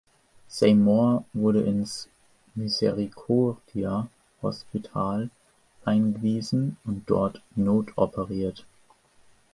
Seymour wurde ins Misericordia Hospital eingewiesen und dort notoperiert.